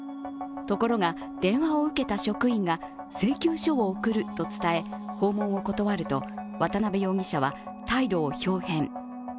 ところが、電話を受けた職員が請求書を送ると伝え、訪問を断ると、渡辺容疑者は態度をひょう変。